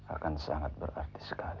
akan sangat berarti sekali